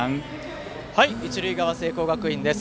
一塁側、聖光学院です。